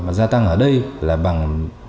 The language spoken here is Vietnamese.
và gia tăng ở đây là bằng